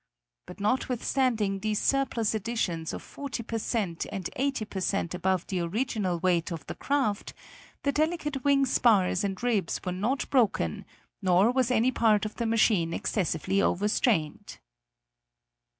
But notwithstanding these surplus additions of 40 per cent and 85 per cent above the original weight of the craft, the delicate wing spars and ribs were not broken, nor was any part of the machine excessively overstrained.